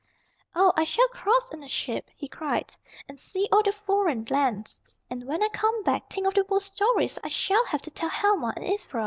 "Oh, I shall cross in a ship," he cried, "and see all the foreign lands. And when I come back, think of the World Stories I shall have to tell Helma and Ivra!"